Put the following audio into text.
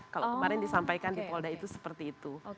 kalau kemarin disampaikan di polda itu seperti itu